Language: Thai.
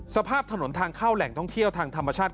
สภาพถนนทางเข้าแหล่งท่องเที่ยวทางธรรมชาติ